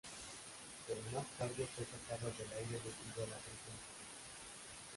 Pero más tarde fue sacada del aire debido a la presión pública.